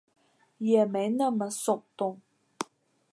也没那么耸动